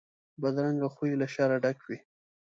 بدرنګه خوی له شره ډک وي